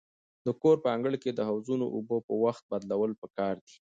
د کور په انګړ کې د حوضونو اوبه په وخت بدلول پکار دي.